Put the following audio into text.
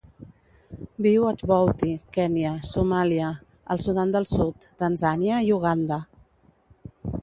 Viu a Djibouti, Kenya, Somàlia, el Sudan del Sud, Tanzània i Uganda.